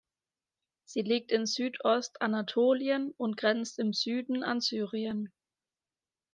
Sie liegt in Südostanatolien und grenzt im Süden an Syrien.